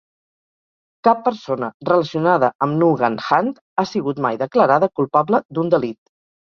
Cap persona relacionada amb Nugan Hand ha sigut mai declarada culpable d'un delit.